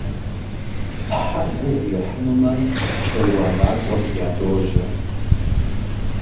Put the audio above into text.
Хьэр гугъу ехьынумэ чэруанакӀуэм ядожьэ.